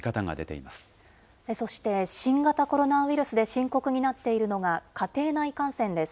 見そして新型コロナウイルスで深刻になっているのが、家庭内感染です。